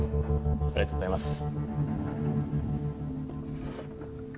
ありがとうございます。